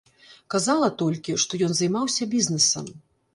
Казала толькі, што ён займаўся бізнэсам.